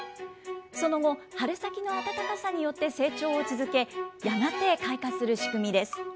その後、春先の暖かさによって成長を続け、やがて開花する仕組みです。